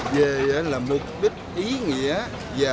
về mục đích ý nghĩa